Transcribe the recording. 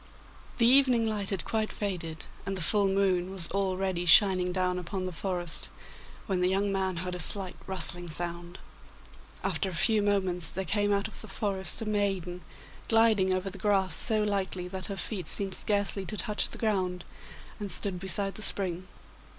The evening light had quite faded, and the full moon was already shining down upon the forest, when the young man heard a slight rustling sound. After a few moments there came out of the forest a maiden, gliding over the grass so lightly that her feet seemed scarcely to touch the ground, and stood beside the spring.